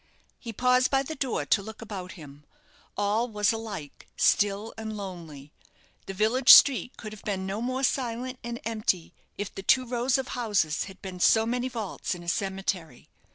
He paused by the door to look about him. All was alike still and lonely. The village street could have been no more silent and empty if the two rows of houses had been so many vaults in a cemetery.